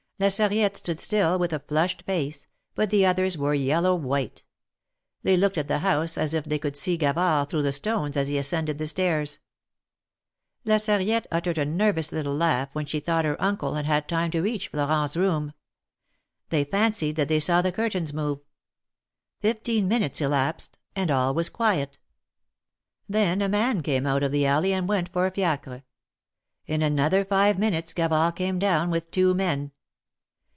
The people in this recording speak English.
La Sarriette stood still, with a flushed face, but the others were yellow white. They looked at the house as if they could see Gavard through the stones as he ascended the stairs. La Sarriette uttered a nervous little laugh when she 298 THE MARKETS OF PARIS. thought her Uncle had had time to reach Florent's room. They fancied that they saw the curtains move. Fifteen minutes elapsed and all was quiet. Then a man came out of the alley and went for a fiacre. In another five minutes Gavard came down with two men.